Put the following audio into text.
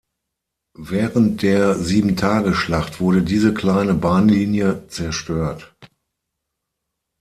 Während der Sieben-Tage-Schlacht wurde diese kleine Bahnlinie zerstört.